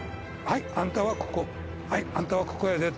はいあんたはここやで。